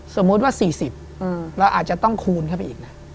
สมมุติว่า๔๐เราอาจจะต้องคูณเข้าไปอีกนะ